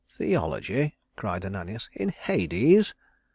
"Theology?" cried Ananias. "In Hades?"